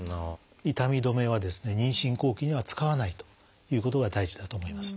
痛み止めは妊娠後期には使わないということが大事だと思います。